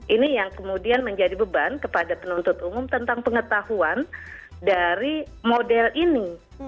ini yang kemudian menjadi beban kepada penuntut umum tentang pengetahuan dari model ini